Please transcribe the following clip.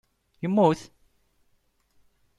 Yemmut?